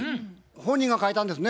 本人が書いたんですね？